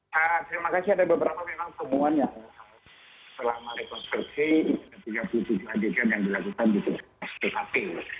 terima kasih ada beberapa memang temuan yang selama rekonstruksi ada tiga puluh tujuh adegan yang dilakukan di tkp